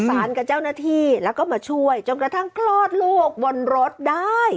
กับเจ้าหน้าที่แล้วก็มาช่วยจนกระทั่งคลอดลูกบนรถได้